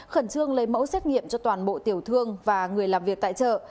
khẩn trương lấy mẫu xét nghiệm cho toàn bộ tiểu thương và người làm việc tại chợ